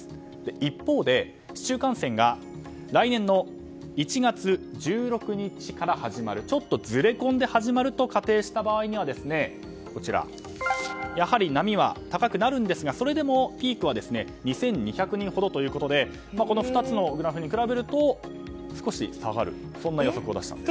一方で市中感染が来年の１月１６日から始まる、ちょっとずれこんで始まると仮定した場合はやはり波は高くなるんですがそれでもピークは２２００人ほどということでこの２つのグラフに比べると少し下がるそんな予測を出したんです。